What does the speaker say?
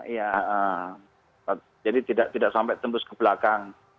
ya jadi tidak sampai tembus ke belakang